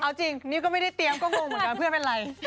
เอาจริงนี่ก็ไม่ได้เตรียมก็งงเหมือนกันเพื่อนเป็นอะไร